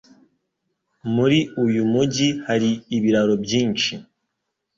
Muri uyu mujyi hari ibiraro byinshi.